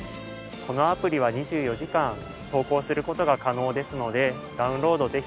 このアプリは２４時間投稿する事が可能ですのでダウンロード